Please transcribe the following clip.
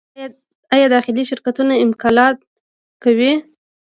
آیا داخلي شرکتونه اکمالات کوي؟